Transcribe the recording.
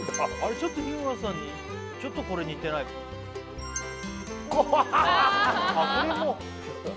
ちょっと日村さんにちょっとこれ似てないか怖っあっ